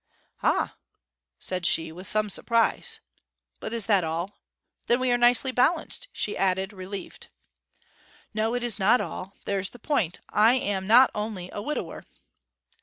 'Ah!' said she, with some surprise. 'But is that all? then we are nicely balanced,' she added, relieved. 'No it is not all. There's the point. I am not only a widower.'